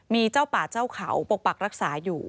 มีเจ้าป่าเจ้าเขาปกปักรักษาอยู่